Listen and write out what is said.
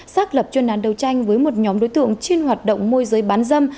xác lập chuyên án đầu tranh với một nhóm đối tượng trên hoạt động môi giới bán dâm